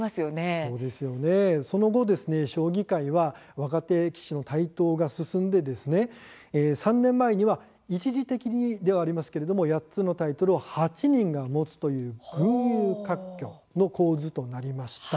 そうですね、その後将棋界は若手棋士の台頭が進んで３年前には一時的にではありますが８つのタイトルを８人が持つという群雄割拠の構図となりました。